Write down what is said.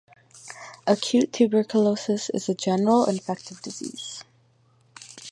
Acute tuberculosis is a general infective disease.